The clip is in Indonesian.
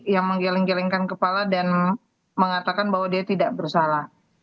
yang menggeleng gelengkan kepala dan mengatakan bahwa dia tidak bersalah